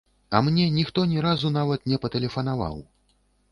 А мне ніхто ні разу нават не патэлефанаваў.